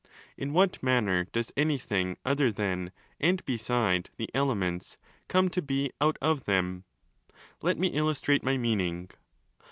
In what manner does anything other than, and beside, the 'elements' come to be out of them? Let me illustrate my meaning.